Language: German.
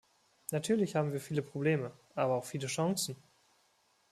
Natürlich haben wir viele Probleme, aber auch viele Chancen.